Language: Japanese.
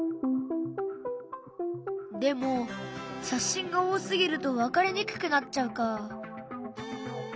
でも写真が多すぎると分かりにくくなっちゃうか。